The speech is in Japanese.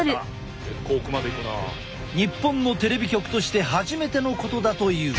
日本のテレビ局として初めてのことだという。